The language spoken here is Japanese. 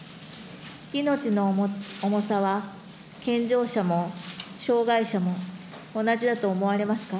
命の重さは健常者も障害者も同じだと思われますか。